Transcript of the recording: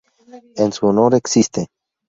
En su honor existe